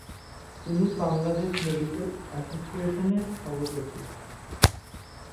তিনি বাংলাদেশ মেডিকেল অ্যাসোসিয়েশনের সভাপতি।